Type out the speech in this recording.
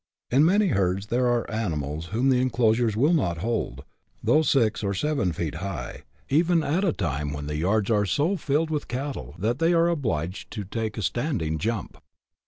In many herds there are animals whom the enclosures will not hold, though six or seven feet high, even at a time when the yards are so filled with cattle that they are obliged to take a standing jump.